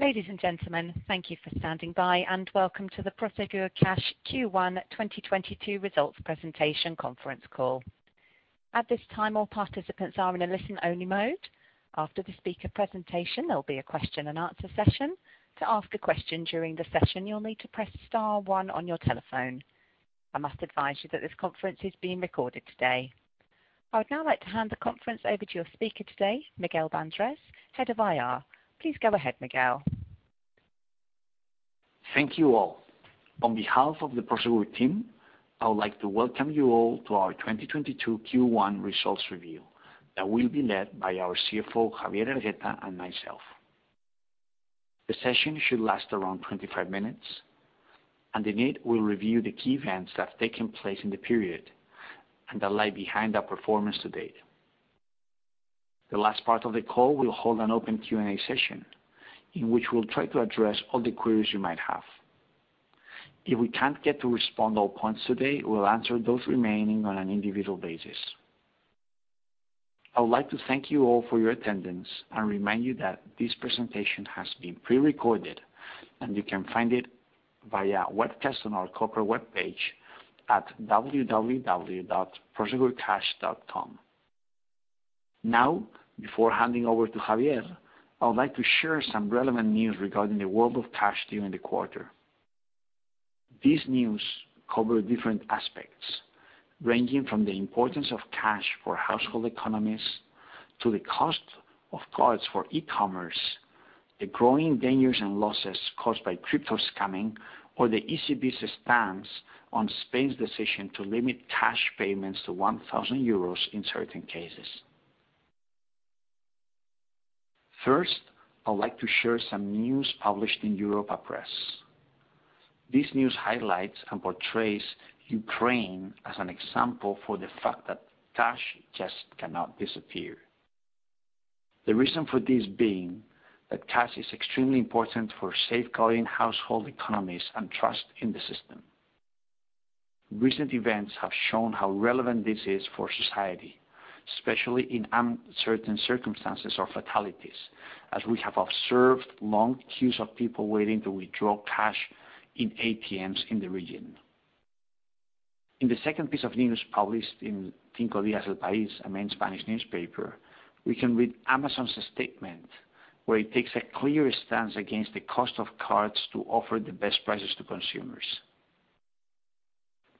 Ladies and gentlemen, thank you for standing by, and welcome to the Prosegur Cash Q1 2022 Results Presentation Conference Call. At this time, all participants are in a listen-only mode. After the speaker presentation, there'll be a question and answer session. To ask a question during the session, you'll need to press star one on your telephone. I must advise you that this conference is being recorded today. I would now like to hand the conference over to your speaker today, Miguel Bandrés, Head of IR. Please go ahead, Miguel. Thank you all. On behalf of the Prosegur team, I would like to welcome you all to our 2022 Q1 results review that will be led by our CFO, Javier Hergueta, and myself. The session should last around 25 minutes, and in it, we'll review the key events that have taken place in the period and that lie behind our performance to date. The last part of the call, we'll hold an open Q&A session in which we'll try to address all the queries you might have. If we can't respond to all points today, we'll answer those remaining on an individual basis. I would like to thank you all for your attendance and remind you that this presentation has been prerecorded, and you can find it via webcast on our corporate webpage at www.prosegurcash.com. Now, before handing over to Javier, I would like to share some relevant news regarding the world of cash during the quarter. This points to the cost of cards, ranging from the importance of cash for household economies to the cost of cards for e-commerce, the growing dangers and losses caused by crypto scamming, or the ECB's stance on Spain's decision to limit cash payments to 1,000 euros in certain cases. First, I would like to share some news published in Europa Press. This news highlights and portrays Ukraine as an example for the fact that cash just cannot disappear. The reason for this being that cash is extremely important for safeguarding household economies and trust in the system. Recent events have shown how relevant this is for society, especially in uncertain circumstances or fatalities, as we have observed long queues of people waiting to withdraw cash in ATMs in the region. In the second piece of news, published in Cinco Días El País, a main Spanish newspaper, we can read Amazon's statement, where it takes a clear stance against the cost of cards to offer the best prices to consumers.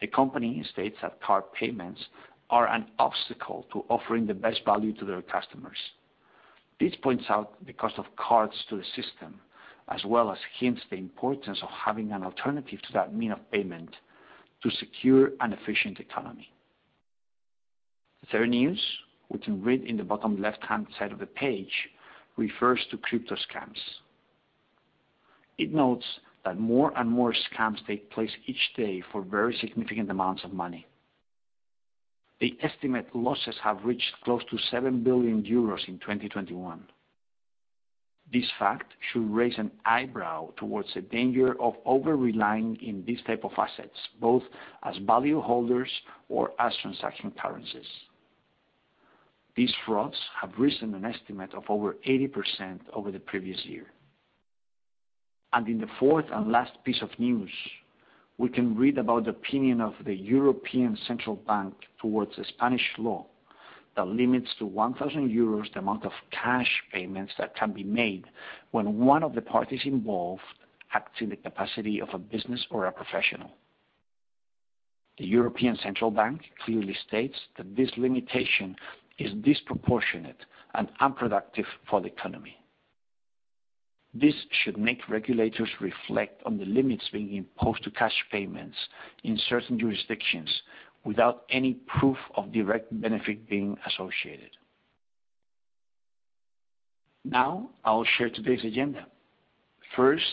The company states that card payments are an obstacle to offering the best value to their customers. This points out the cost of cards to the system, as well as hints the importance of having an alternative to that mean of payment to secure an efficient economy. The third news, we can read in the bottom left-hand side of the page, refers to crypto scams. It notes that more and more scams take place each day for very significant amounts of money. They estimate losses have reached close to 7 billion euros in 2021. This fact should raise an eyebrow towards the danger of over-relying in these types of assets, both as value holders or as transaction currencies. These frauds have risen an estimate of over 80% over the previous year. In the fourth and last piece of news, we can read about the opinion of the European Central Bank towards the Spanish law that limits the amount to EUR 1,000 of cash payments that can be made when one of the parties involved act in the capacity of a business or a professional. The European Central Bank clearly states that this limitation is disproportionate and unproductive for the economy. This should make regulators reflect on the limits being imposed to cash payments in certain jurisdictions without any proof of direct benefit being associated. Now, I will share today's agenda. First,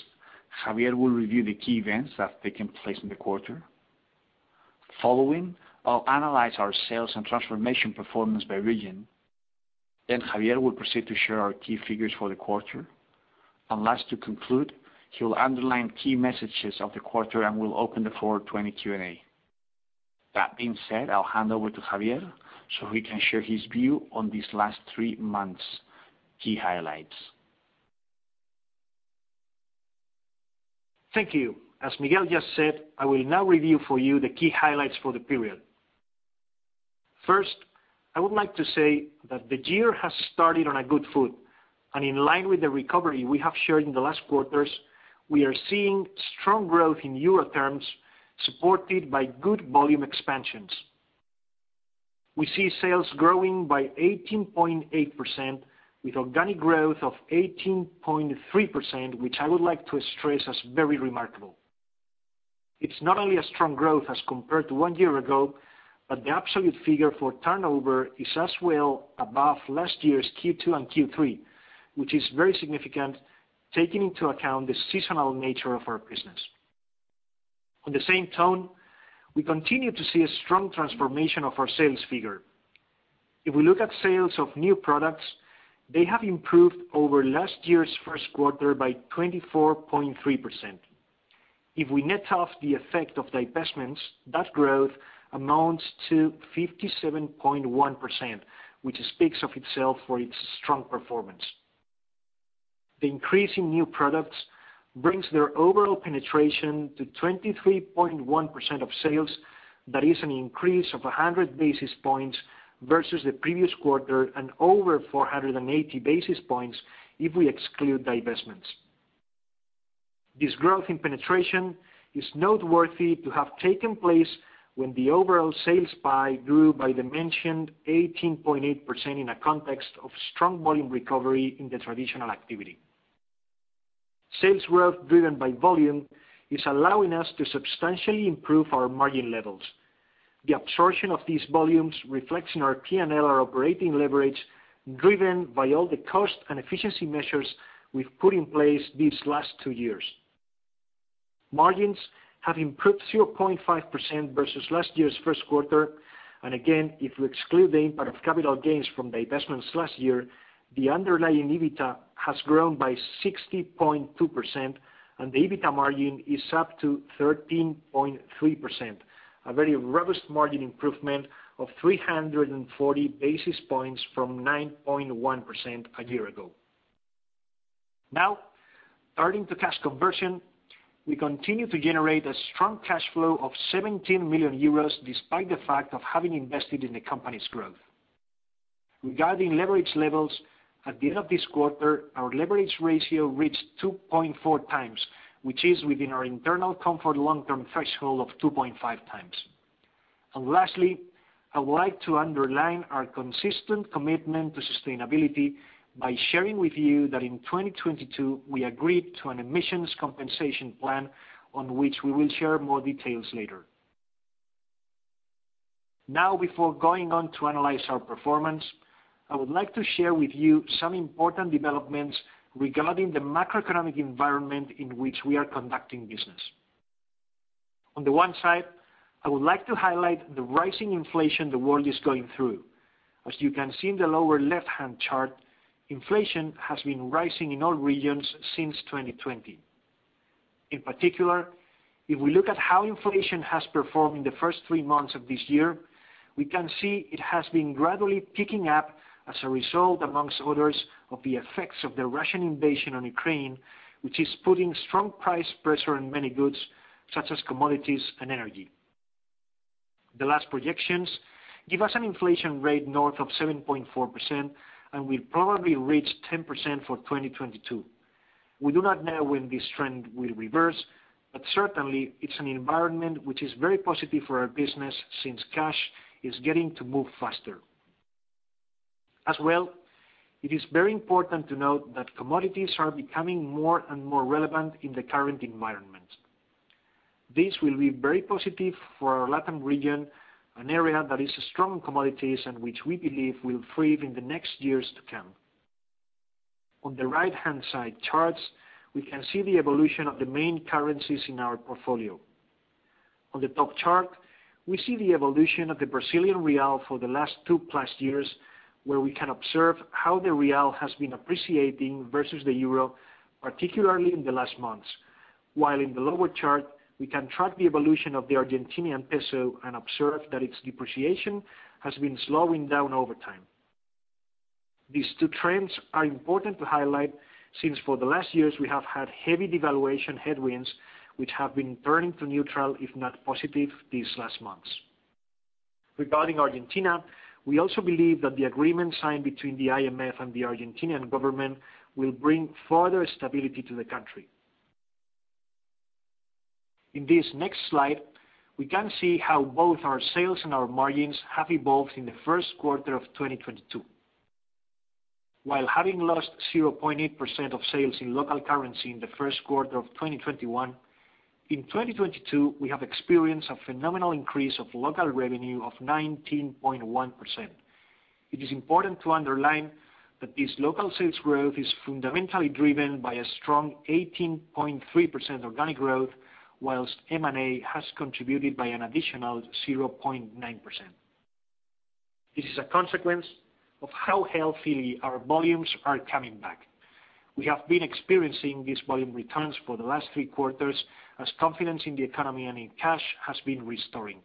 Javier will review the key events that have taken place in the quarter. Following, I'll analyze our sales and transformation performance by region. Javier will proceed to share our key figures for the quarter. Last, to conclude, he will underline key messages of the quarter, and we'll open the floor to any Q&A. That being said, I'll hand over to Javier so he can share his view on these last three months' key highlights. Thank you. As Miguel just said, I will now review for you the key highlights for the period. First, I would like to say that the year has started on a good footing, and in line with the recovery we have shared in the last quarters, we are seeing strong growth in euro terms, supported by good volume expansions. We see sales growing by 18.8% with organic growth of 18.3%, which I would like to stress as very remarkable. It's not only a strong growth as compared to one year ago, but the absolute figure for turnover is as well above last year's Q2 and Q3, which is very significant, taking into account the seasonal nature of our business. On the same note, we continue to see a strong transformation of our sales figure. If we look at sales of new products, they have improved over last year's first quarter by 24.3%. If we net off the effect of divestments, that growth amounts to 57.1%, which speaks for itself for its strong performance. The increase in new products brings their overall penetration to 23.1% of sales. That is an increase of 100 basis points versus the previous quarter and over 480 basis points if we exclude divestments. This growth in penetration is noteworthy to have taken place when the overall sales pie grew by the mentioned 18.8% in a context of strong volume recovery in the traditional activity. Sales growth driven by volume is allowing us to substantially improve our margin levels. The absorption of these volumes is reflected in our P&L, our operating leverage, driven by all the cost and efficiency measures we've put in place these last two years. Margins have improved 0.5% versus last year's first quarter. Again, if we exclude the impact of capital gains from divestments last year, the underlying EBITDA has grown by 60.2%, and the EBITDA margin is up to 13.3%. A very robust margin improvement of 340 basis points from 9.1% a year ago. Now, turning to cash conversion, we continue to generate a strong cash flow of 17 million euros despite the fact of having invested in the company's growth. Regarding leverage levels, at the end of this quarter, our leverage ratio reached 2.4 times, which is within our internal comfort long-term threshold of 2.5 times. Lastly, I would like to underline our consistent commitment to sustainability by sharing with you that in 2022, we agreed to an emissions compensation plan on which we will share more details later. Now, before going on to analyze our performance, I would like to share with you some important developments regarding the macroeconomic environment in which we are conducting business. On the one side, I would like to highlight the rising inflation the world is going through. As you can see in the lower left-hand chart, inflation has been rising in all regions since 2020. In particular, if we look at how inflation has performed in the first three months of this year, we can see it has been gradually picking up as a result, among others, of the effects of the Russian invasion on Ukraine, which is putting strong price pressure on many goods, such as commodities and energy. The last projections give us an inflation rate north of 7.4%, and will probably reach 10% for 2022. We do not know when this trend will reverse, but certainly it's an environment which is very positive for our business since cash is getting to move faster. As well, it is very important to note that commodities are becoming more and more relevant in the current environment. This will be very positive for our Latin region, an area that is strong in commodities and which we believe will thrive in the next years to come. On the right-hand side charts, we can see the evolution of the main currencies in our portfolio. On the top chart, we see the evolution of the Brazilian real for the last 2 years, where we can observe how the real has been appreciating versus the euro, particularly in the last months. While in the lower chart, we can track the evolution of the Argentinian peso and observe that its depreciation has been slowing down over time. These two trends are important to highlight since for the last years, we have had heavy devaluation headwinds, which have been turning to neutral, if not positive, these last months. Regarding Argentina, we also believe that the agreement signed between the IMF and the Argentine government will bring further stability to the country. In this next slide, we can see how both our sales and our margins have evolved in the first quarter of 2022. While having lost 0.8% of sales in local currency in the first quarter of 2021, in 2022, we have experienced a phenomenal increase of local revenue of 19.1%. It is important to underline that this local sales growth is fundamentally driven by a strong 18.3% organic growth, while M&A has contributed by an additional 0.9%. This is a consequence of how healthily our volumes are coming back. We have been experiencing these volume returns for the last three quarters as confidence in the economy and in cash has been restoring.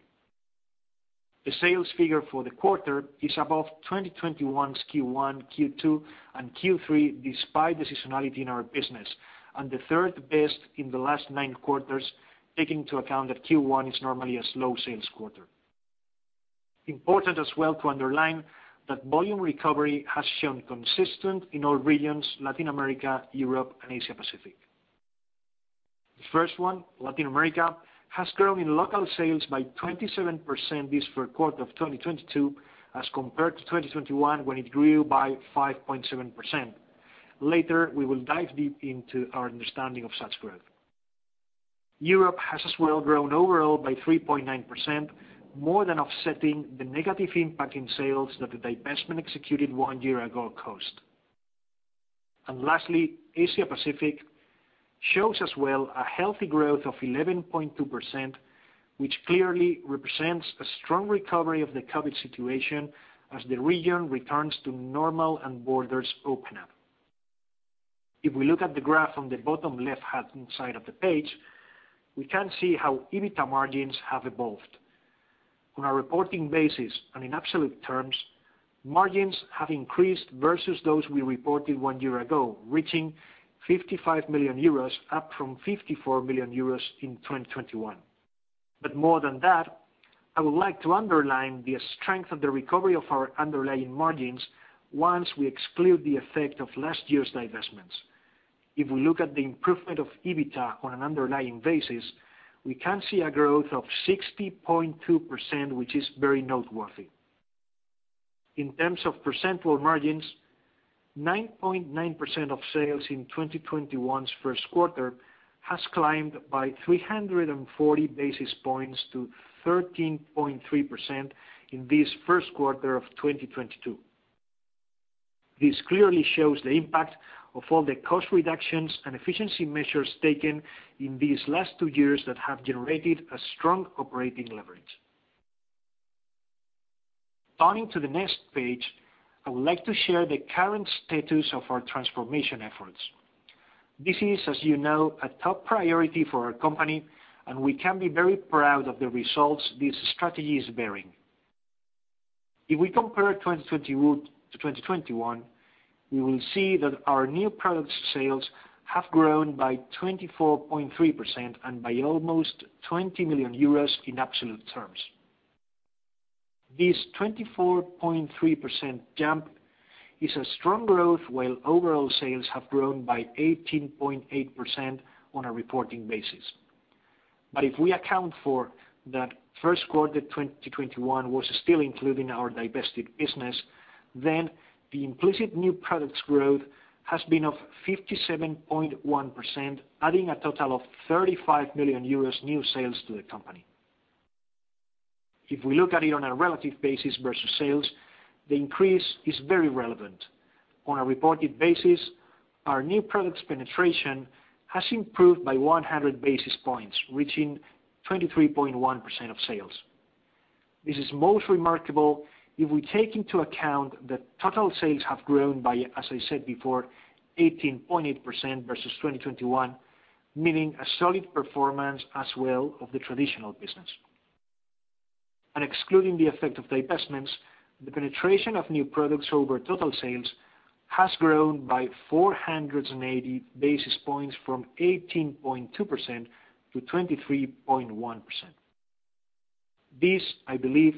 The sales figure for the quarter is above 2021's Q1, Q2, and Q3, despite the seasonality in our business, and the third best in the last 9 quarters, taking into account that Q1 is normally a slow sales quarter. Important as well to underline that volume recovery has shown consistency in all regions, Latin America, Europe, and Asia Pacific. The first one, Latin America, has grown in local sales by 27% this first quarter of 2022 as compared to 2021, when it grew by 5.7%. Later, we will dive deep into our understanding of such growth. Europe has as well grown overall by 3.9%, more than offsetting the negative impact in sales that the divestment executed one year ago cost. Lastly, Asia Pacific shows as well a healthy growth of 11.2%, which clearly represents a strong recovery of the COVID situation as the region returns to normal and borders open up. If we look at the graph on the bottom left-hand side of the page, we can see how EBITDA margins have evolved. On a reporting basis and in absolute terms, margins have increased versus those we reported one year ago, reaching 55 million euros, up from 54 million euros in 2021. More than that, I would like to underline the strength of the recovery of our underlying margins once we exclude the effect of last year's divestments. If we look at the improvement of EBITDA on an underlying basis, we can see a growth of 60.2%, which is very noteworthy. In terms of EBITDA margins, 9.9% of sales in 2021's first quarter has climbed by 340 basis points to 13.3% in this first quarter of 2022. This clearly shows the impact of all the cost reductions and efficiency measures taken in these last two years that have generated a strong operating leverage. Turning to the next page, I would like to share the current status of our transformation efforts. This is, as you know, a top priority for our company, and we can be very proud of the results this strategy is bearing. If we compare 2020 to 2021, we will see that our new products sales have grown by 24.3% and by almost 20 million euros in absolute terms. This 24.3% jump is a strong growth, while overall sales have grown by 18.8% on a reporting basis. If we account for that first quarter 2021 was still including our divested business, then the implicit new products growth has been of 57.1%, adding a total of 35 million euros new sales to the company. If we look at it on a relative basis versus sales, the increase is very relevant. On a reported basis, our new products penetration has improved by 100 basis points, reaching 23.1% of sales. This is most remarkable if we take into account that total sales have grown by, as I said before, 18.8% versus 2021, meaning a solid performance as well of the traditional business. Excluding the effect of divestments, the penetration of new products over total sales has grown by 480 basis points from 18.2% to 23.1%. This, I believe,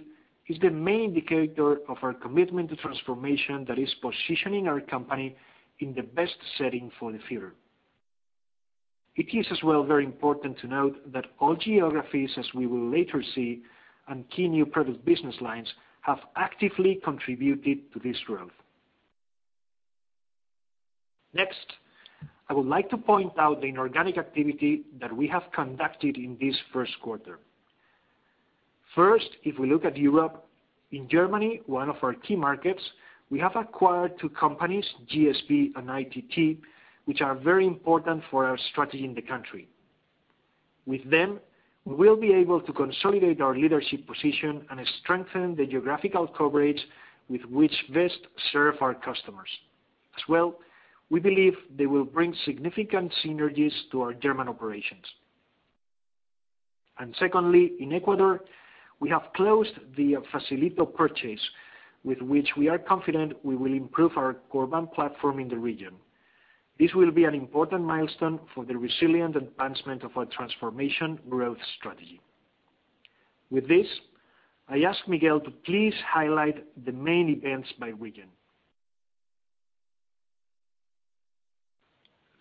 is the main indicator of our commitment to transformation that is positioning our company in the best setting for the future. It is as well very important to note that all geographies, as we will later see, and key new product business lines have actively contributed to this growth. Next, I would like to point out the inorganic activity that we have conducted in this first quarter. First, if we look at Europe, in Germany, one of our key markets, we have acquired two companies, GSB and ITT, which are very important for our strategy in the country. With them, we will be able to consolidate our leadership position and strengthen the geographical coverage with which best serve our customers. As well, we believe they will bring significant synergies to our German operations. Secondly, in Ecuador, we have closed the Facilito purchase, with which we are confident we will improve our Corban platform in the region. This will be an important milestone for the resilient advancement of our transformation growth strategy. With this, I ask Miguel to please highlight the main events by region.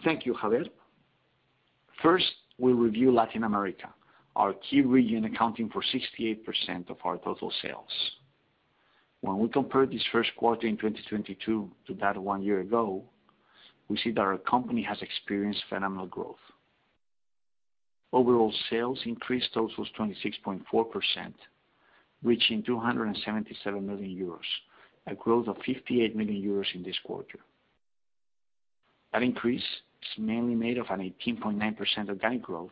Thank you, Javier. First, we review Latin America, our key region accounting for 68% of our total sales. When we compare this first quarter in 2022 to that one year ago, we see that our company has experienced phenomenal growth. Overall sales increased by a total of 26.4%, reaching 277 million euros, a growth of 58 million euros in this quarter. That increase is mainly made of an 18.9% organic growth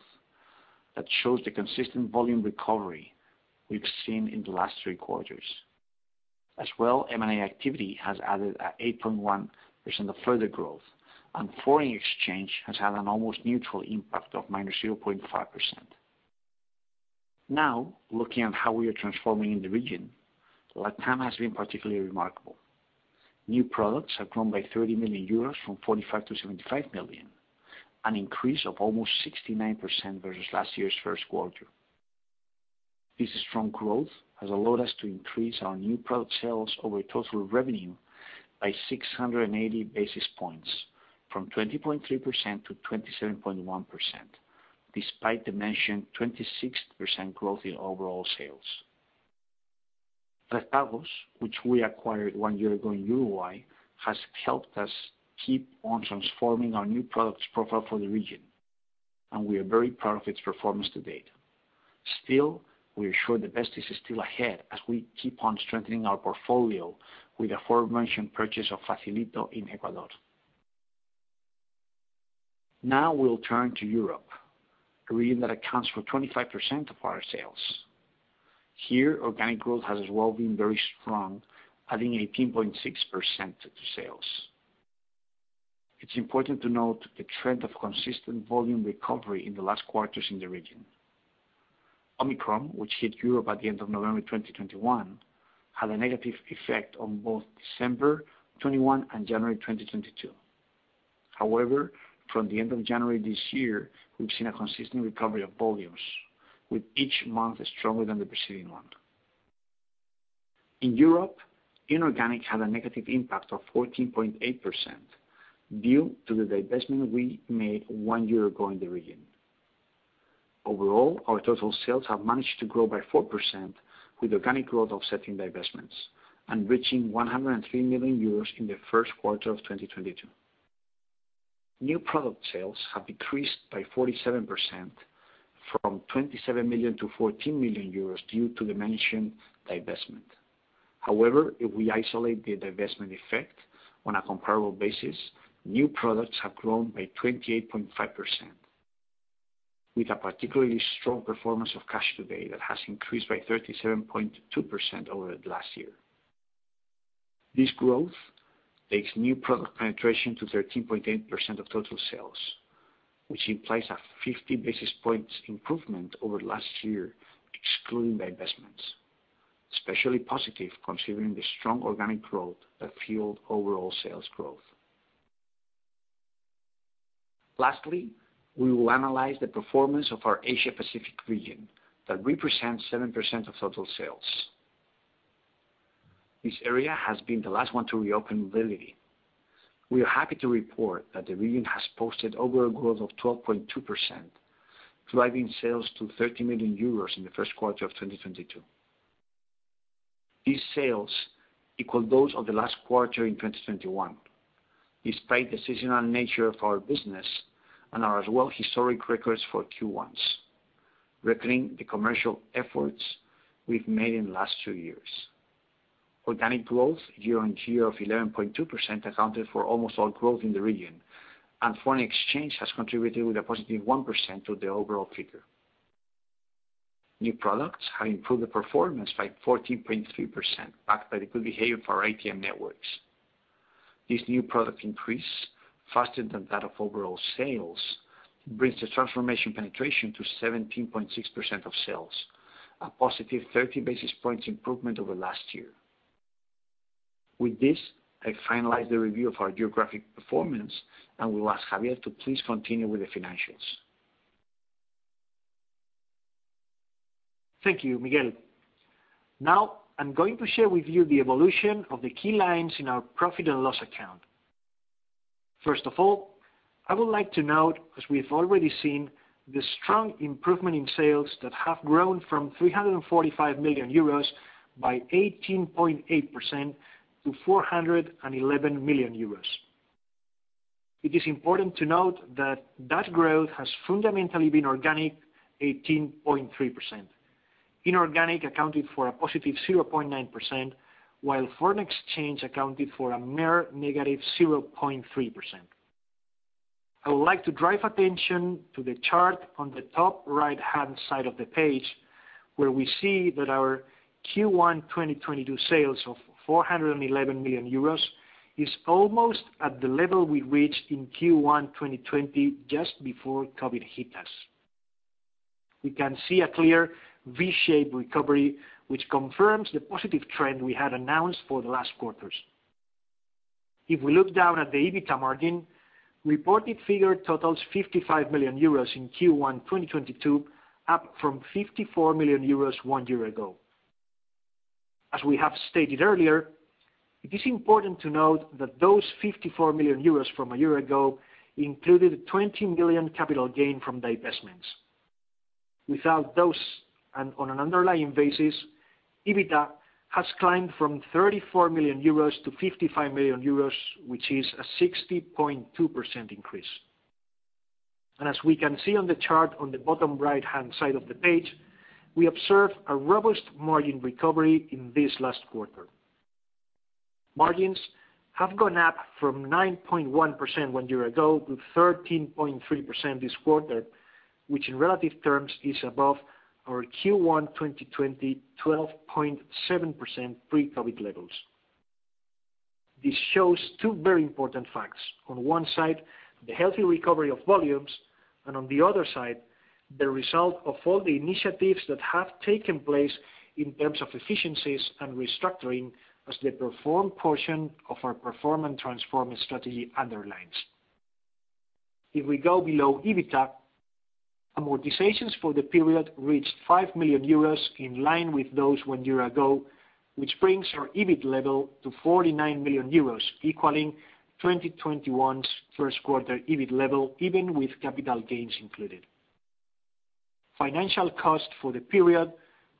that shows the consistent volume recovery we've seen in the last three quarters. As well, M&A activity has added 8.1% of further growth, and foreign exchange has had an almost neutral impact of -0.5%. Now, looking at how we are transforming in the region, Latam has been particularly remarkable. New products have grown by 30 million euros from 45 million to 75 million, an increase of almost 69% versus last year's first quarter. This strong growth has allowed us to increase our new product sales over total revenue by 680 basis points from 20.3% to 27.1%, despite the mentioned 26% growth in overall sales. Redpagos, which we acquired one year ago in Uruguay, has helped us keep on transforming our new products profile for the region, and we are very proud of its performance to date. Still, we are sure the best is still ahead as we keep on strengthening our portfolio with the aforementioned purchase of Facilito in Ecuador. Now we'll turn to Europe, a region that accounts for 25% of our sales. Here, organic growth has as well been very strong, adding 18.6% to sales. It's important to note the trend of consistent volume recovery in the last quarters in the region. Omicron, which hit Europe at the end of November 2021, had a negative effect on both December 2021 and January 2022. However, from the end of January this year, we've seen a consistent recovery of volumes, with each month stronger than the preceding one. In Europe, inorganic had a negative impact of 14.8% due to the divestment we made one year ago in the region. Overall, our total sales have managed to grow by 4% with organic growth offsetting divestments and reaching 103 million euros in the first quarter of 2022. New product sales have decreased by 47% from 27 million to 14 million euros due to the mentioned divestment. However, if we isolate the divestment effect on a comparable basis, new products have grown by 28.5%, with a particularly strong performance of Cash Today that has increased by 37.2% over the last year. This growth takes new product penetration to 13.8% of total sales, which implies a 50 basis points improvement over last year, excluding the investments, especially positive considering the strong organic growth that fueled overall sales growth. Lastly, we will analyze the performance of our Asia Pacific region that represents 7% of total sales. This area has been the last one to reopen mobility. We are happy to report that the region has posted overall growth of 12.2%, driving sales to 30 million euros in the first quarter of 2022. These sales equal those of the last quarter in 2021, despite the seasonal nature of our business and are as well historic records for Q1s, reflecting the commercial efforts we've made in the last two years. Organic growth year-on-year of 11.2% accounted for almost all growth in the region, and foreign exchange has contributed with a positive 1% to the overall figure. New products have improved the performance by 14.3%, backed by the good behavior of our ATM networks. This increase in new products, faster than overall sales, brings the transformation penetration to 17.6% of sales, a positive 30 basis points improvement over last year. With this, I finalize the review of our geographic performance, and will ask Javier to please continue with the financials. Thank you, Miguel. Now, I'm going to share with you the evolution of the key lines in our P&L. First of all, I would like to note, as we've already seen, the strong improvement in sales that have grown from 345 million euros by 18.8% to 411 million euros. It is important to note that that growth has fundamentally been organic 18.3%. Inorganic accounted for a positive +0.9%, while foreign exchange accounted for a mere negative -0.3%. I would like to draw attention to the chart on the top right-hand side of the page, where we see that our Q1 2022 sales of 411 million euros is almost at the level we reached in Q1 2020, just before COVID hit us. We can see a clear V-shaped recovery, which confirms the positive trend we had announced for the last quarters. If we look down at the EBITDA margin, reported figure totals 55 million euros in Q1 2022, up from 54 million euros one year ago. As we have stated earlier, it is important to note that those 54 million euros from a year ago included 20 million capital gain from divestments. Without those, and on an underlying basis, EBITDA has climbed from 34 million euros to 55 million euros, which is a 60.2% increase. As we can see on the chart on the bottom right-hand side of the page, we observe a robust margin recovery in this last quarter. Margins have gone up from 9.1% one year ago to 13.3% this quarter, which in relative terms is above our Q1 2020 12.7% pre-COVID levels. This shows two very important facts. On one side, the healthy recovery of volumes, and on the other side, the result of all the initiatives that have taken place in terms of efficiencies and restructuring as the Perform portion of our Perform & Transform strategy underlines. If we go below EBITDA, amortizations for the period reached 5 million euros in line with those one year ago, which brings our EBIT level to 49 million euros, equaling 2021's first quarter EBIT level, even with capital gains included. Financial cost for the period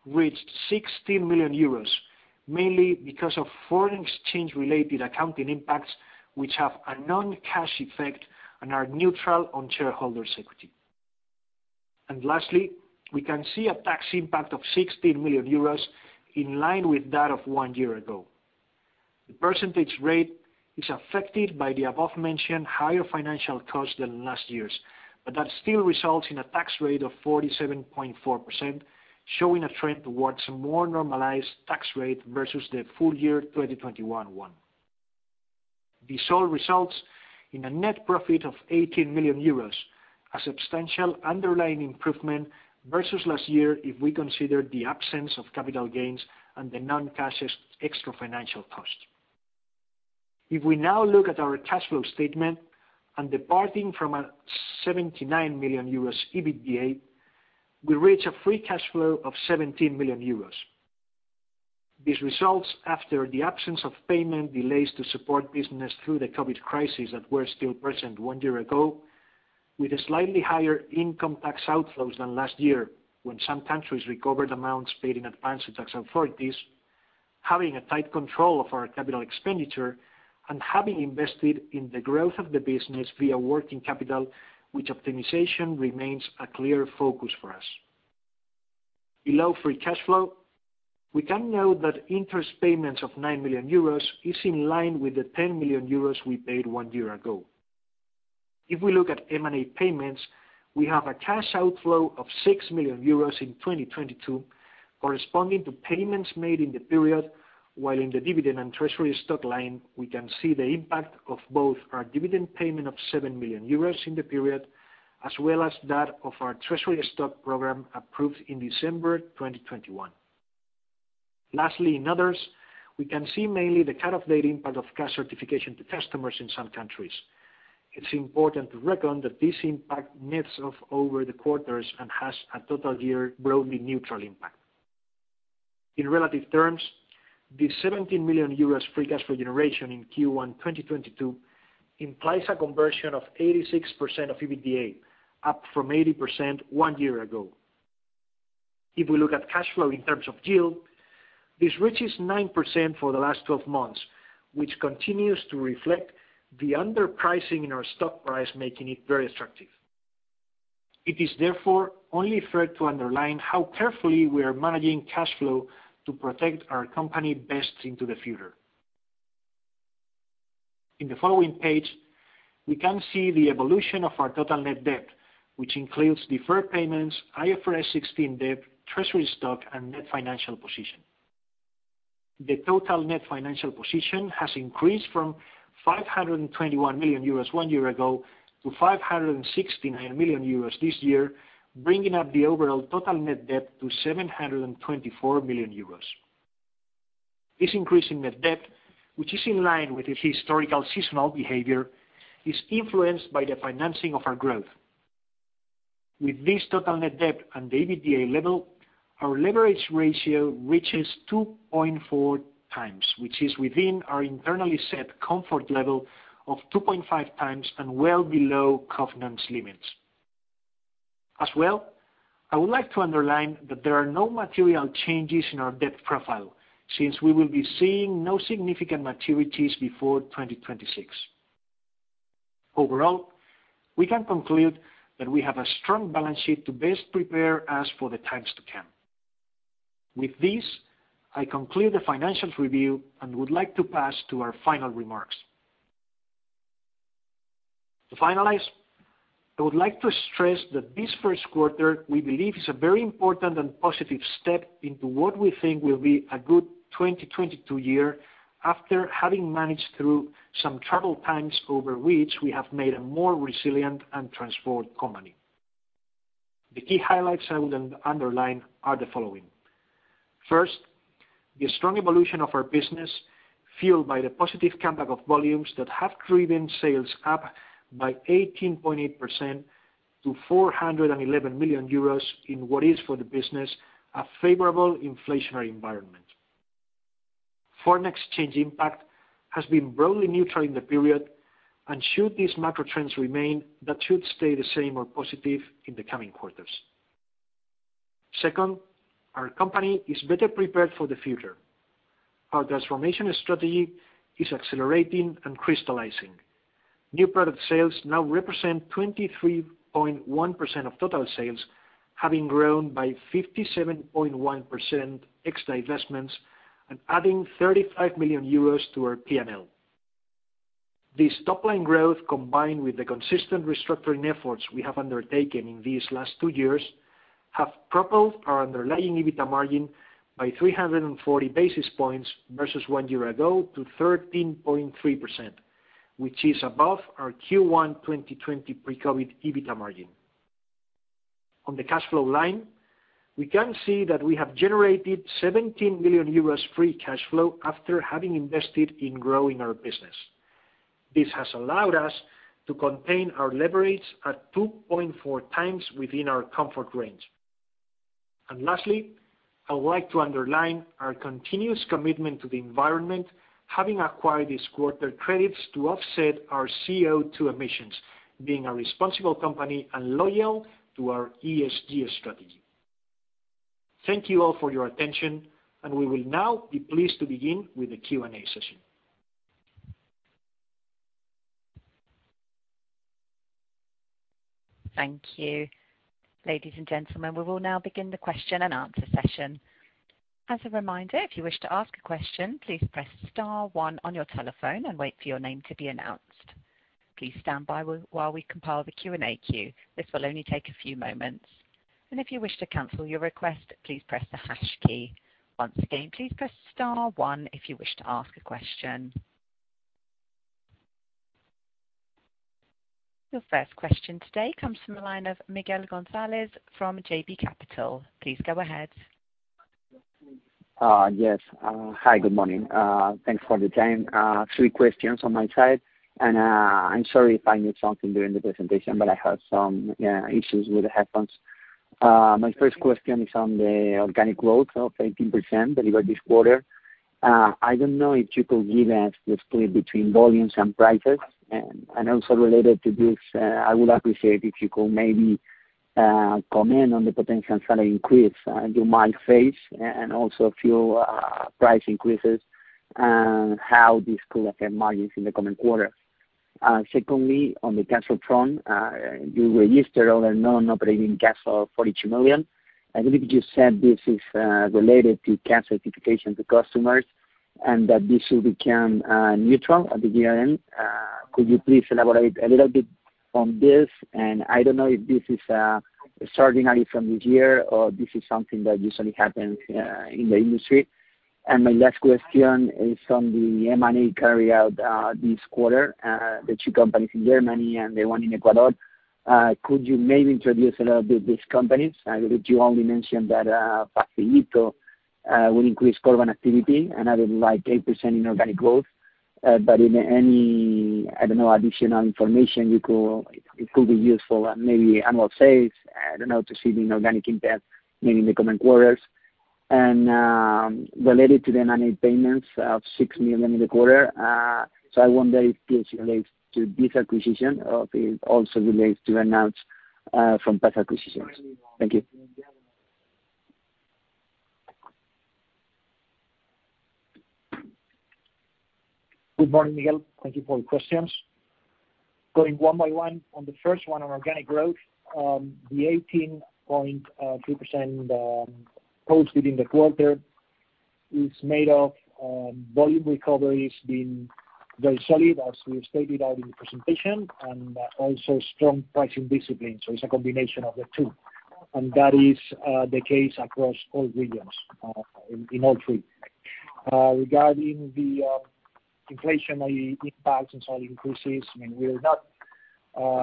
reached 60 million euros, mainly because of foreign exchange related accounting impacts, which have a non-cash effect and are neutral on shareholders equity. Lastly, we can see a tax impact of 60 million euros in line with that of one year ago. The percentage rate is affected by the above-mentioned higher financial costs than last year's, but that still results in a tax rate of 47.4%, showing a trend towards more normalized tax rate versus the full year 2021. This all results in a net profit of 18 million euros, a substantial underlying improvement versus last year if we consider the absence of capital gains and the non-cash extra financial costs. If we now look at our cash flow statement and departing from a 79 million euros EBITDA, we reach a free cash flow of 17 million euros. These results, after the absence of payment delays to support business through the COVID crisis that were still present one year ago, with slightly higher income tax outflows than last year, when some countries recovered amounts paid in advance to tax authorities, having a tight control of our capital expenditure and having invested in the growth of the business via working capital, which optimization remains a clear focus for us. Below free cash flow, we can note that interest payments of 9 million euros is in line with the 10 million euros we paid one year ago. If we look at M&A payments, we have a cash outflow of 6 million euros in 2022 corresponding to payments made in the period, while in the dividend and treasury stock line, we can see the impact of both our dividend payment of 7 million euros in the period as well as that of our treasury stock program approved in December 2021. Lastly, in others, we can see mainly the cut-off date impact of cash certification to customers in some countries. It's important to recognize that this impact nets off over the quarters and has a total year broadly neutral impact. In relative terms, the 17 million euros free cash flow generation in Q1 2022 implies a conversion of 86% of EBITDA, up from 80% one year ago. If we look at cash flow in terms of yield, this reaches 9% for the last 12 months, which continues to reflect the underpricing in our stock price, making it very attractive. It is, therefore, only fair to underline how carefully we are managing cash flow to protect our company best into the future. In the following page, we can see the evolution of our total net debt, which includes deferred payments, IFRS 16 debt, treasury stock, and net financial position. The total net financial position has increased from 521 million euros one year ago to 569 million euros this year, bringing up the overall total net debt to 724 million euros. This increase in net debt, which is in line with the historical seasonal behavior, is influenced by the financing of our growth. With this total net debt and the EBITDA level, our leverage ratio reaches 2.4 times, which is within our internally set comfort level of 2.5 times and well below covenants limits. As well, I would like to underline that there are no material changes in our debt profile since we will be seeing no significant maturities before 2026. Overall, we can conclude that we have a strong balance sheet to best prepare us for the times to come. With this, I conclude the financials review and would like to pass to our final remarks. To finalize, I would like to stress that this first quarter, we believe, is a very important and positive step into what we think will be a good 2022 year after having managed through some troubled times over which we have made a more resilient and transformed company. The key highlights I would underline are the following. First, the strong evolution of our business fueled by the positive comeback of volumes that have driven sales up by 18.8% to 411 million euros in what is for the business a favorable inflationary environment. Foreign exchange impact has been broadly neutral in the period, and should these macro trends remain, that should stay the same or positive in the coming quarters. Second, our company is better prepared for the future. Our transformation strategy is accelerating and crystallizing. New product sales now represent 23.1% of total sales, having grown by 57.1% ex-divestments and adding 35 million euros to our P&L. This top-line growth, combined with the consistent restructuring efforts we have undertaken in these last two years, have propelled our underlying EBITDA margin by 340 basis points versus one year ago to 13.3%, which is above our Q1 2020 pre-COVID EBITDA margin. On the cash flow line, we can see that we have generated 17 million euros free cash flow after having invested in growing our business. This has allowed us to contain our leverage at 2.4 times within our comfort range. Lastly, I would like to underline our continuous commitment to the environment, having acquired this quarter credits to offset our CO2 emissions, being a responsible company and loyal to our ESG strategy. Thank you all for your attention, and we will now be pleased to begin with the Q&A session. Thank you. Ladies and gentlemen, we will now begin the question and answer session. As a reminder, if you wish to ask a question, please press star one on your telephone and wait for your name to be announced. Please stand by while we compile the Q&A queue. This will only take a few moments, and if you wish to cancel your request, please press the hash key. Once again, please press star one if you wish to ask a question. Your first question today comes from the line of Miguel González from JB Capital. Please go ahead. Yes. Hi, good morning. Thanks for the time. Three questions on my side. I'm sorry if I missed something during the presentation, but I had some issues with the headphones. My first question is on the organic growth of 18% delivered this quarter. I don't know if you could give us the split between volumes and prices. And also related to this, I would appreciate if you could maybe comment on the potential salary increase you might face, and also a few price increases and how this could affect margins in the coming quarter. Secondly, on the cash flow front, you registered all non-operating cash flow, 42 million. I believe you said this is related to cash certifications to customers, and that this will become neutral at the year-end. Could you please elaborate a little bit on this? I don't know if this is extraordinary from this year or this is something that usually happens in the industry. My last question is on the M&A carried out this quarter, the two companies in Germany and the one in Ecuador. Could you maybe introduce a little bit these companies? I believe you only mentioned that Facilito will increase Corban activity, another like 8% in organic growth. But anyway, I don't know, additional information you could, it could be useful, maybe annual sales, I don't know, to see the organic impact maybe in the coming quarters. Related to the M&A payments of 6 million in the quarter, I wonder if this relates to this acquisition or if it also relates to earn-outs from past acquisitions. Thank you. Good morning, Miguel. Thank you for all the questions. Going one by one, on the first one on organic growth, the 18.3% posted in the quarter is made of volume recoveries being very solid, as we set out in the presentation, and also strong pricing discipline, so it's a combination of the two. That is the case across all regions, in all three. Regarding the inflationary impacts and salary increases, I mean, we are not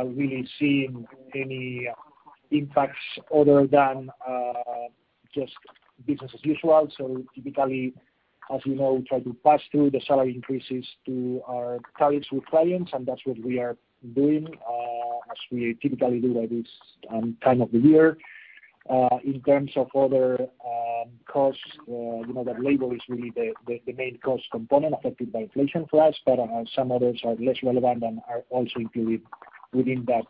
really seeing any impacts other than just business as usual. Typically, as you know, we try to pass through the salary increases to our clients, and that's what we are doing, as we typically do at this time of the year. In terms of other costs, you know that labor is really the main cost component affected by inflation for us, but some others are less relevant and are also included within that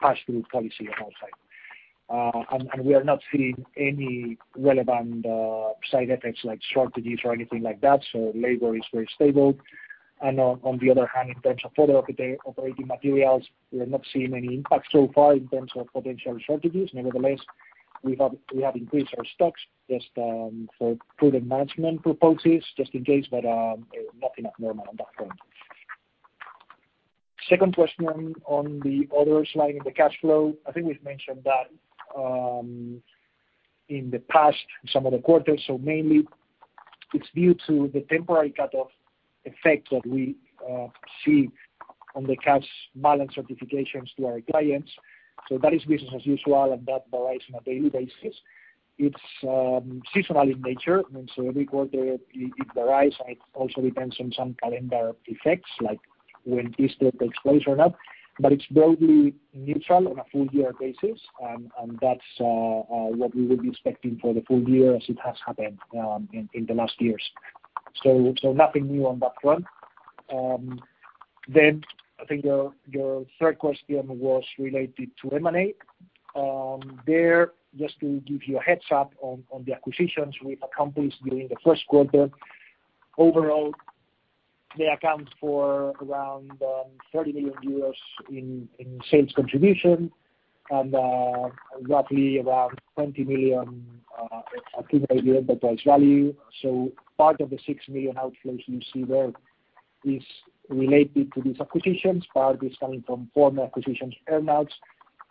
pass-through policy on our side. We are not seeing any relevant side effects like shortages or anything like that, so labor is very stable. On the other hand, in terms of other operating materials, we are not seeing any impact so far in terms of potential shortages. Nevertheless, we have increased our stocks just for prudent management purposes just in case, but nothing abnormal on that front. Second question on the other slide in the cash flow. I think we've mentioned that in the past, in some of the quarters. Mainly it's due to the temporary cutoff effect that we see on the cash balance certifications to our clients. That is business as usual and that varies on a daily basis. It's seasonal in nature, and so every quarter it varies, and it also depends on some calendar effects, like when Easter takes place or not. It's broadly neutral on a full year basis. That's what we would be expecting for the full year as it has happened in the last years. Nothing new on that front. I think your third question was related to M&A. There just to give you a heads-up on the acquisitions we've accomplished during the first quarter. Overall, they account for around 30 million euros in sales contribution and roughly around 20 million accumulated enterprise value. Part of the 6 million outflows you see there is related to these acquisitions. Part is coming from former acquisitions earn-outs.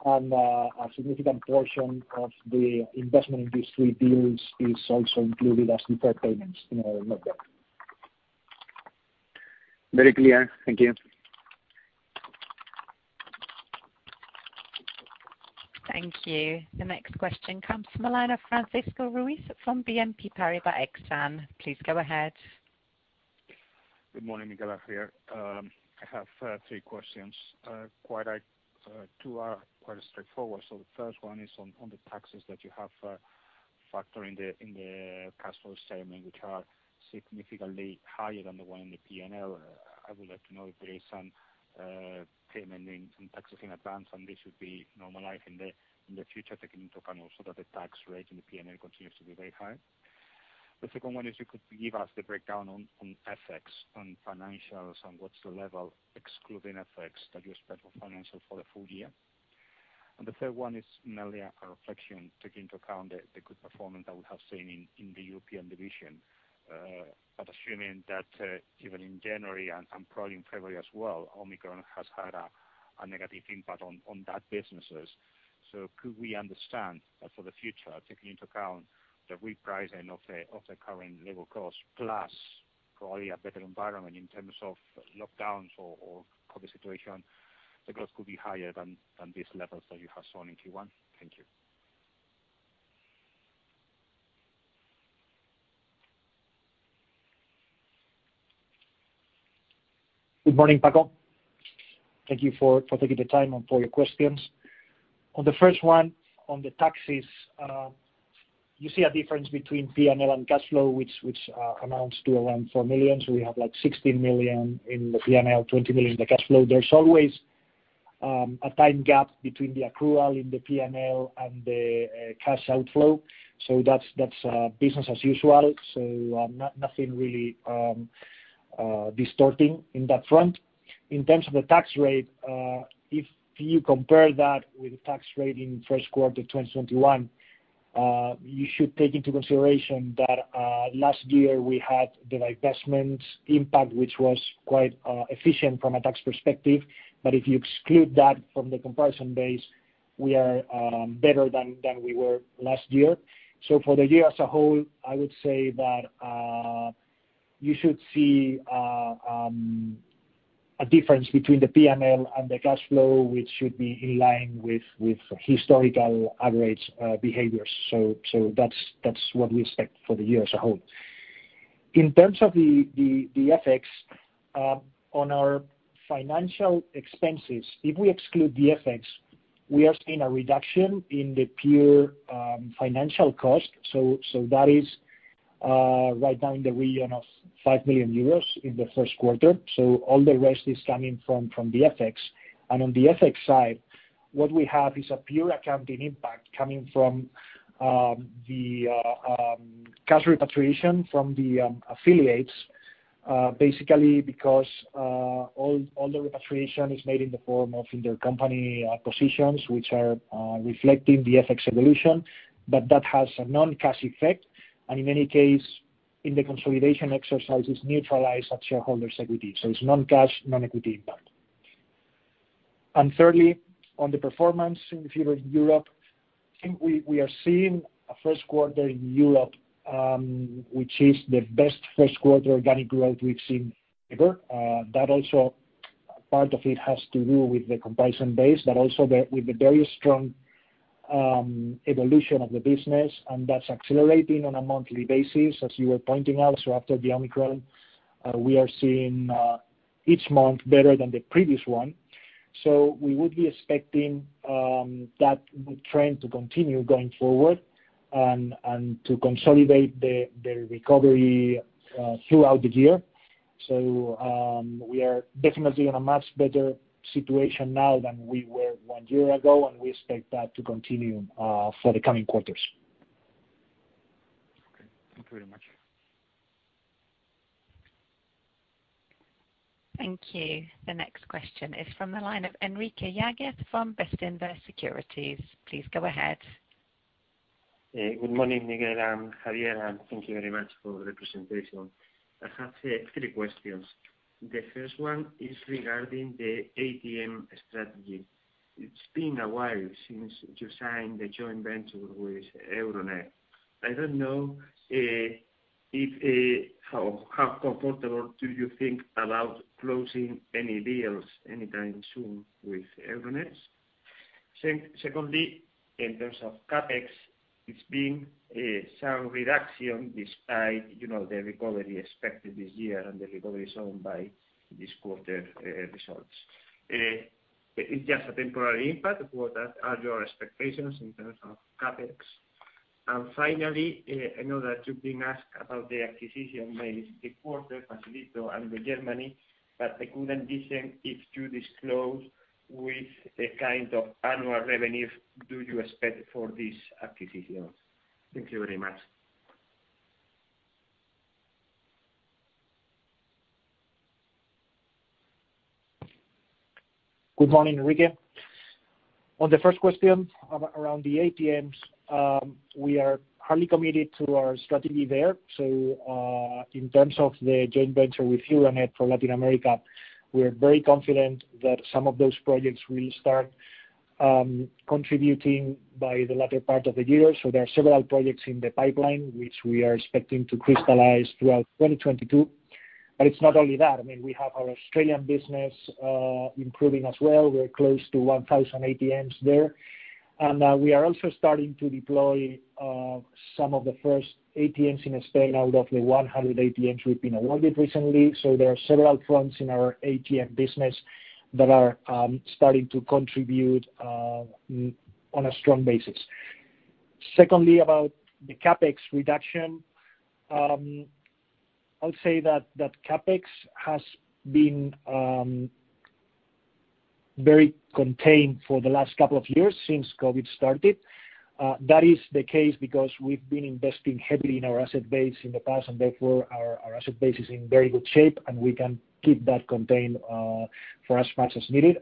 A significant portion of the investment in these three deals is also included as deferred payments in our notebook. Very clear. Thank you. Thank you. The next question comes from the line of Francisco Ruiz from BNP Paribas Exane. Please go ahead. Good morning, Miguel. Javier. I have three questions. Two are quite straightforward. The first one is on the taxes that you have factored in the cash flow statement, which are significantly higher than the one in the P&L. I would like to know if there is some payment in taxes in advance, and this should be normalized in the future, taking into account also that the tax rate in the P&L continues to be very high. The second one is you could give us the breakdown on FX, on financials, and what's the level excluding FX that you expect for financial for the full year. The third one is mainly a reflection taking into account the good performance that we have seen in the European division. Assuming that even in January and probably in February as well, Omicron has had a negative impact on that businesses. Could we understand that for the future, taking into account the repricing of the current labor cost, plus probably a better environment in terms of lockdowns or COVID situation, the growth could be higher than these levels that you have shown in Q1? Thank you. Good morning, Paco. Thank you for taking the time and for your questions. On the first one, on the taxes, you see a difference between P&L and cash flow, which amounts to around 4 million. We have like 16 million in the P&L, 20 million in the cash flow. There's always a time gap between the accrual in the P&L and the cash outflow. That's business as usual. Nothing really distorting in that front. In terms of the tax rate, if you compare that with the tax rate in first quarter of 2021, you should take into consideration that last year we had the divestments impact, which was quite efficient from a tax perspective. If you exclude that from the comparison base, we are better than we were last year. For the year as a whole, I would say that you should see a difference between the P&L and the cash flow, which should be in line with historical average behaviors. That's what we expect for the year as a whole. In terms of the FX on our financial expenses, if we exclude the FX, we are seeing a reduction in the pure financial cost. That is right now in the region of 5 million euros in the first quarter. All the rest is coming from the FX. On the FX side, what we have is a pure accounting impact coming from the cash repatriation from the affiliates, basically because all the repatriation is made in the form of intercompany positions, which are reflecting the FX evolution. That has a non-cash effect, and in any case, in the consolidation exercise is neutralized at shareholders' equity. It's non-cash, non-equity impact. Thirdly, on the performance in Europe, I think we are seeing a first quarter in Europe, which is the best first quarter organic growth we've seen ever. That also, part of it has to do with the comparison base, but also with the very strong evolution of the business, and that's accelerating on a monthly basis, as you were pointing out. After the Omicron, we are seeing each month better than the previous one. We would be expecting that trend to continue going forward and to consolidate the recovery throughout the year. We are definitely in a much better situation now than we were one year ago, and we expect that to continue for the coming quarters. Okay. Thank you very much. Thank you. The next question is from the line of Enrique Yáguez from Bestinver Securities. Please go ahead. Good morning, Miguel and Javier, and thank you very much for the presentation. I have three questions. The first one is regarding the ATM strategy. It's been a while since you signed the joint venture with Euronet. I don't know how comfortable do you think about closing any deals anytime soon with Euronet? Secondly, in terms of CapEx, it's been some reduction despite, you know, the recovery expected this year and the recovery shown by this quarter results. It's just a temporary impact. What are your expectations in terms of CapEx? Finally, I know that you've been asked about the acquisition made this quarter, Facilito and the German, but I couldn't listen if you disclose which kind of annual revenue do you expect for these acquisitions. Thank you very much. Good morning, Enrique Yáguez. On the first question around the ATMs, we are highly committed to our strategy there. In terms of the joint venture with Euronet for Latin America, we are very confident that some of those projects will start contributing by the latter part of the year. There are several projects in the pipeline which we are expecting to crystallize throughout 2022. It's not only that. I mean, we have our Australian business improving as well. We're close to 1,000 ATMs there. We are also starting to deploy some of the first ATMs in Spain out of the 100 ATMs we've been awarded recently. There are several fronts in our ATM business that are starting to contribute on a strong basis. Secondly, about the CapEx reduction, I'll say that CapEx has been very contained for the last couple of years since COVID started. That is the case because we've been investing heavily in our asset base in the past, and therefore our asset base is in very good shape, and we can keep that contained for as much as needed.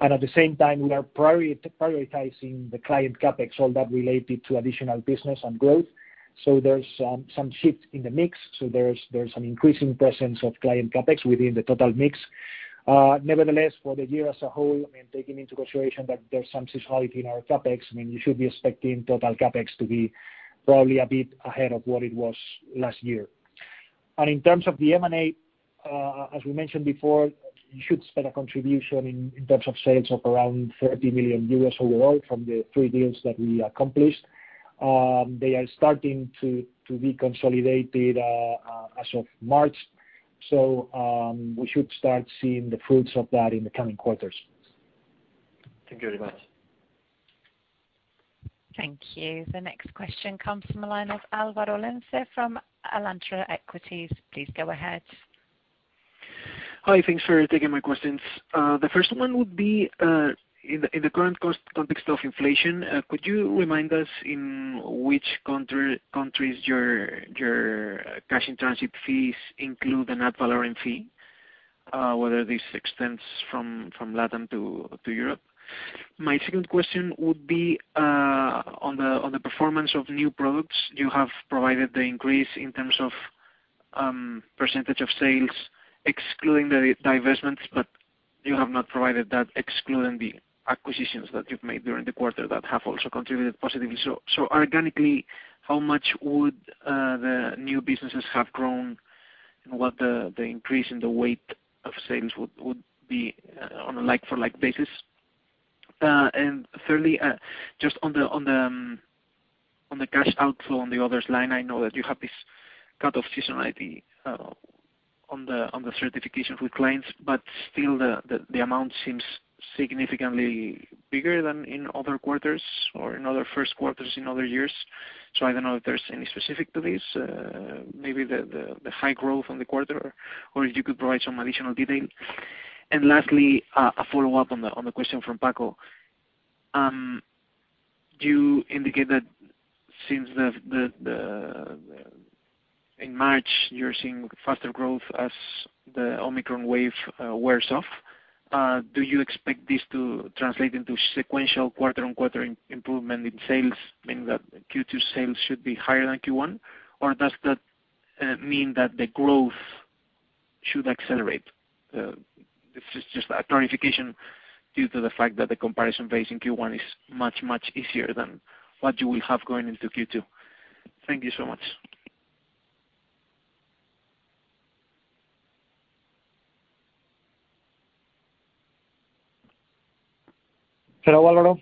At the same time, we are prioritizing the client CapEx, all that related to additional business and growth. There's some shift in the mix, so there's an increasing presence of client CapEx within the total mix. Nevertheless, for the year as a whole, I mean, taking into consideration that there's some seasonality in our CapEx, I mean, you should be expecting total CapEx to be probably a bit ahead of what it was last year. In terms of the M&A, as we mentioned before, you should expect a contribution in terms of sales of around 30 million euros overall from the three deals that we accomplished. They are starting to be consolidated as of March. We should start seeing the fruits of that in the coming quarters. Thank you very much. Thank you. The next question comes from the line of Álvaro Lorente from Alantra. Please go ahead. Hi. Thanks for taking my questions. The first one would be, in the current cost context of inflation, could you remind us in which country, countries your cash and transit fees include an ad valorem fee, whether this extends from Latin to Europe? My second question would be, on the performance of new products. You have provided the increase in terms of percentage of sales excluding the divestments, but you have not provided that excluding the acquisitions that you've made during the quarter that have also contributed positively. Organically, how much would the new businesses have grown, and what the increase in the weight of sales would be on a like-for-like basis? Thirdly, just on the cash outflow on the others line, I know that you have this kind of seasonality on the certification with clients, but still the amount seems significantly bigger than in other quarters or in other first quarters in other years. I don't know if there's any specific to this, maybe the high growth on the quarter, or if you could provide some additional detail. Lastly, a follow-up on the question from Paco. You indicate that in March you're seeing faster growth as the Omicron wave wears off. Do you expect this to translate into sequential quarter-on-quarter improvement in sales, meaning that Q2 sales should be higher than Q1? Does that mean that the growth should accelerate? This is just a clarification due to the fact that the comparison base in Q1 is much, much easier than what you will have going into Q2. Thank you so much. Hello, Álvaro.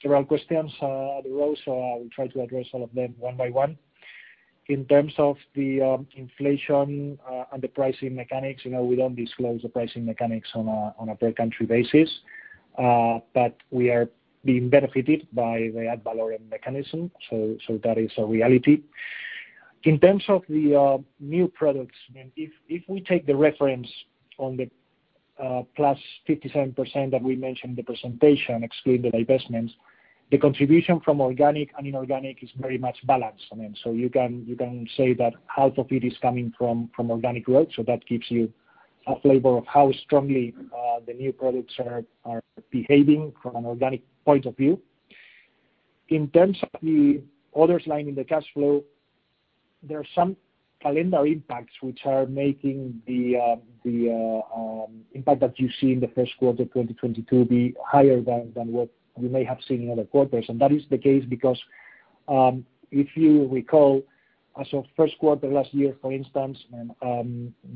Several questions in a row, so I will try to address all of them one by one. In terms of the inflation and the pricing mechanics, you know, we don't disclose the pricing mechanics on a per country basis. But we are being benefited by the ad valorem mechanism. That is a reality. In terms of the new products, I mean, if we take the reference on the +57% that we mentioned in the presentation, excluding the divestments, the contribution from organic and inorganic is very much balanced. I mean, you can say that half of it is coming from organic growth, so that gives you a flavor of how strongly the new products are behaving from an organic point of view. In terms of the others line in the cash flow, there are some calendar impacts which are making the impact that you see in the first quarter 2022 be higher than what we may have seen in other quarters. That is the case because, if you recall, as of first quarter last year, for instance,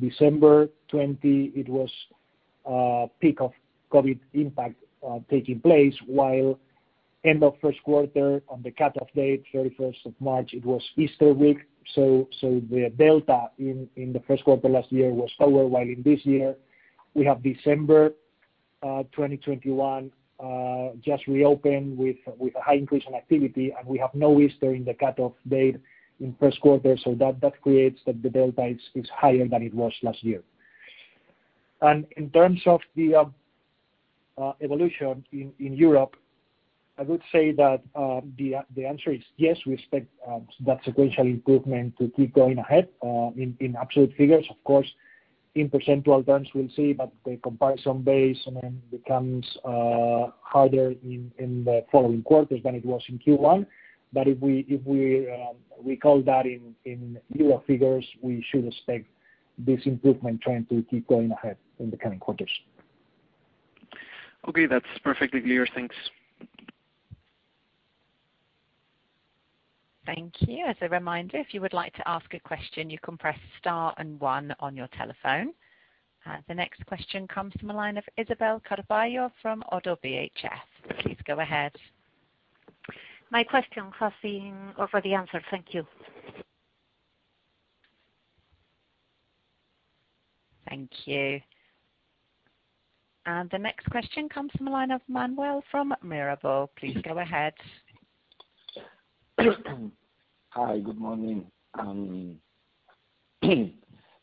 December 2020, it was peak of COVID impact taking place, while end of first quarter on the cutoff date, March 31, it was Easter week. The delta in the first quarter last year was lower, while in this year we have December 2021 just reopened with a high increase in activity, and we have no Easter in the cutoff date in first quarter. That creates that the delta is higher than it was last year. In terms of the evolution in Europe, I would say that the answer is yes, we expect that sequential improvement to keep going ahead in absolute figures. Of course, in percentile terms, we'll see, but the comparison base, I mean, becomes harder in the following quarters than it was in Q1. If we recall that in euro figures, we should expect this improvement trend to keep going ahead in the coming quarters. Okay. That's perfectly clear. Thanks. Thank you. As a reminder, if you would like to ask a question, you can press star and one on your telephone. The next question comes from a line of Isabel Carballo from Oddo BHF. Please go ahead. My question has been already answered. Thank you. Thank you. The next question comes from a line of Manuel from Mirabaud. Please go ahead. Hi. Good morning.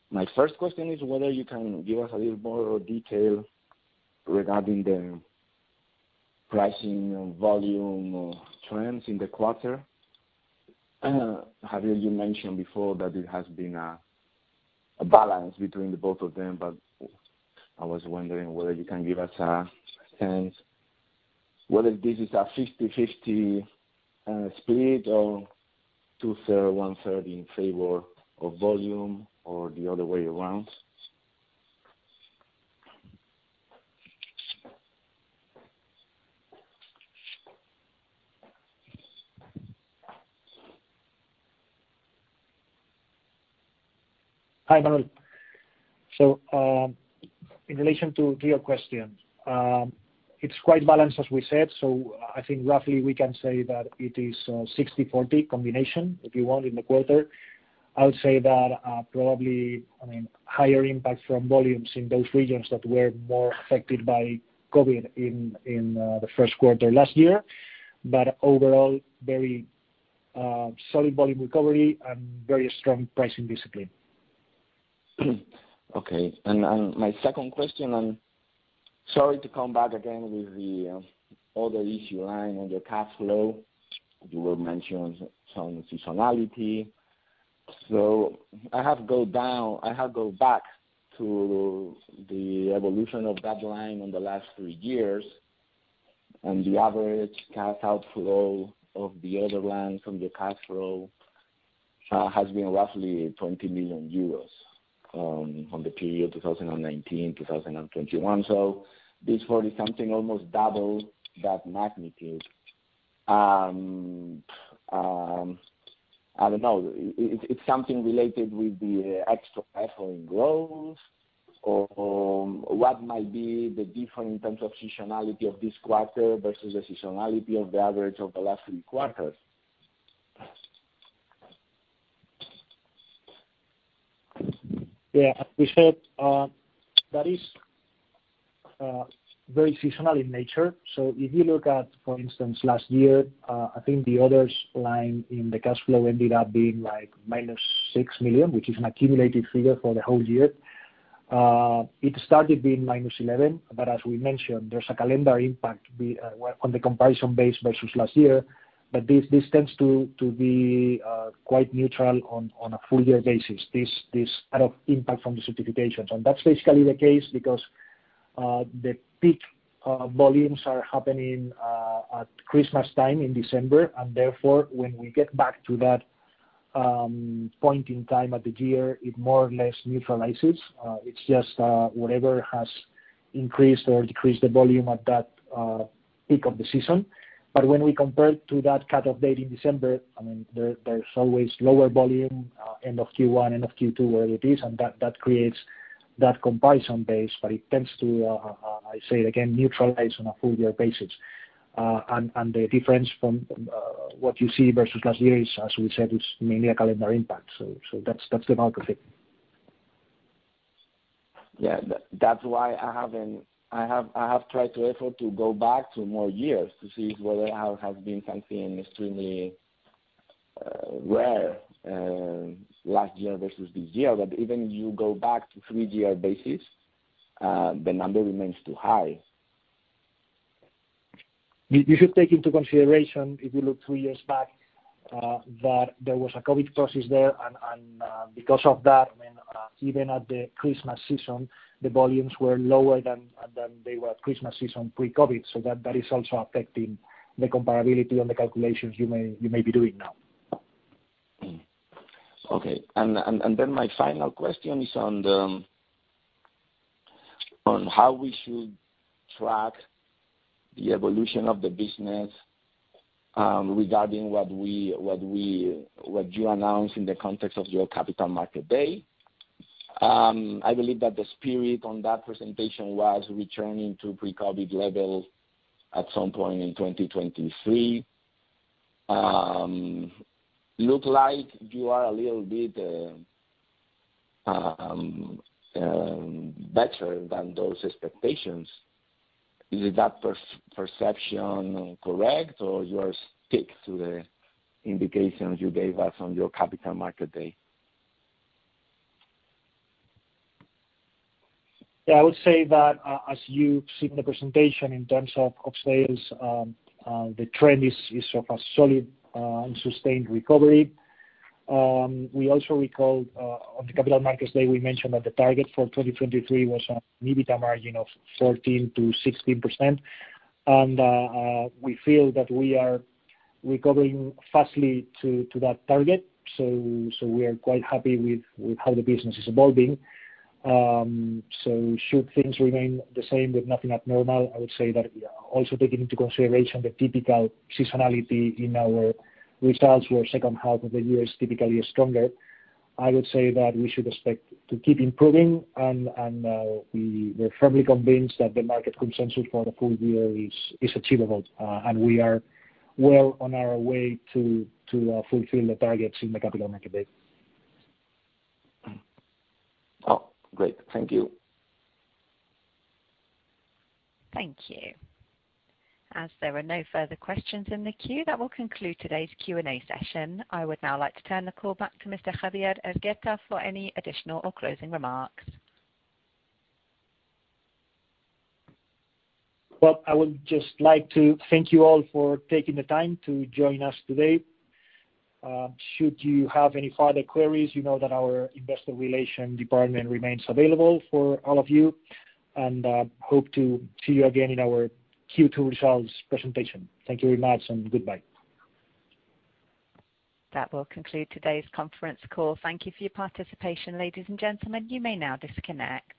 My first question is whether you can give us a little more detail regarding the pricing volume trends in the quarter. Javier, you mentioned before that it has been a balance between both of them, but I was wondering whether you can give us a sense whether this is a 50/50 split or 2/3, 1/3 in favor of volume or the other way around. Hi, Manuel. In relation to your question, it's quite balanced as we said. I think roughly we can say that it is a 60/40 combination, if you want, in the quarter. I would say that probably, I mean, higher impact from volumes in those regions that were more affected by COVID in the first quarter last year. Overall, very solid volume recovery and very strong pricing discipline. My second question, I'm sorry to come back again with the other issue lying on your cash flow. You were mentioning some seasonality. I have to go back to the evolution of that line on the last three years, and the average cash outflow of the other line from the cash flow has been roughly 20 million euros on the period 2019-2021. This 40-something almost double that magnitude. I don't know, it's something related with the extra effort in growth or what might be the difference in terms of seasonality of this quarter versus the seasonality of the average of the last three quarters. Yeah. As we said, that is very seasonal in nature. If you look at, for instance, last year, I think the operating line in the cash flow ended up being like -6 million, which is an accumulated figure for the whole year. It started being -11 million, but as we mentioned, there's a calendar impact, well, on the comparison basis versus last year. This tends to be quite neutral on a full year basis, this kind of impact from the certifications. That's basically the case because the peak volumes are happening at Christmas time in December, and therefore, when we get back to that point in time of the year, it more or less neutralizes. It's just whatever has increased or decreased the volume at that peak of the season. When we compare to that cut-off date in December, I mean, there's always lower volume end of Q1, end of Q2, whatever it is, and that creates that comparison base. It tends to, I say it again, neutralize on a full year basis. The difference from what you see versus last year is, as we said, it's mainly a calendar impact. That's the bulk of it. Yeah. That's why I haven't. I have tried to make an effort to go back to more years to see whether it has been something extremely rare last year versus this year. Even if you go back to three-year basis, the number remains too high. You should take into consideration, if you look two years back, that there was a COVID crisis there. Because of that, I mean, even at the Christmas season, the volumes were lower than they were at Christmas season pre-COVID. That is also affecting the comparability and the calculations you may be doing now. Okay. My final question is on how we should track the evolution of the business, regarding what you announced in the context of your Capital Markets Day. I believe that the spirit on that presentation was returning to pre-COVID levels at some point in 2023. Look like you are a little bit better than those expectations. Is that perception correct, or you are stick to the indications you gave us on your Capital Markets Day? Yeah. I would say that as you've seen the presentation in terms of sales, the trend is of a solid and sustained recovery. We also recall on the Capital Markets Day, we mentioned that the target for 2023 was an EBITDA margin of 14%-16%. We feel that we are recovering fast to that target. We are quite happy with how the business is evolving. Should things remain the same with nothing abnormal, I would say that also taking into consideration the typical seasonality in our results where second half of the year is typically stronger, I would say that we should expect to keep improving and we're firmly convinced that the market consensus for the full year is achievable, and we are well on our way to fulfill the targets in the Capital Markets Day. Oh, great. Thank you. Thank you. As there are no further questions in the queue, that will conclude today's Q&A session. I would now like to turn the call back to Mr. Javier Hergueta for any additional or closing remarks. Well, I would just like to thank you all for taking the time to join us today. Should you have any further queries, you know that our Investor Relations department remains available for all of you, and hope to see you again in our Q2 results presentation. Thank you very much, and goodbye. That will conclude today's conference call. Thank you for your participation, ladies and gentlemen. You may now disconnect.